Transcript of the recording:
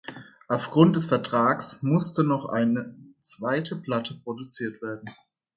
Aufgrund des Vertrags musste noch eine zweite Platte produziert werden.